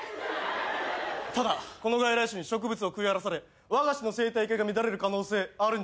この外来種に植物を食い荒らされわが市の生態系が乱れる可能性あるんじゃないのかね。